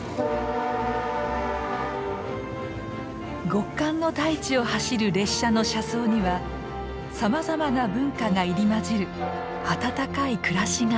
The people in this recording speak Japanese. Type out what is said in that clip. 極寒の大地を走る列車の車窓にはさまざまな文化が入り混じる温かい暮らしがあった。